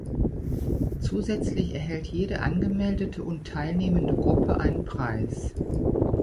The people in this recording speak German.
Zusätzlich erhält jede angemeldete und teilnehmende Gruppe einen Preis.